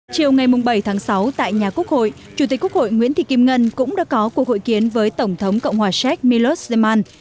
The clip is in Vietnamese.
chiều ngày bảy tháng sáu tại nhà quốc hội chủ tịch quốc hội nguyễn thị kim ngân cũng đã có cuộc hội kiến với tổng thống cộng hòa séc millos jamman